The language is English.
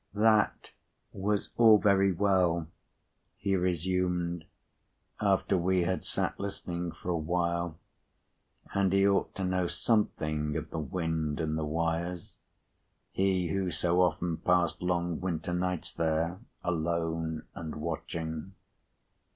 That was all very well, he returned, after we had sat listening for a while, and he ought to know something of the wind and the wires, he who so often passed long winter nights there, alone and watching.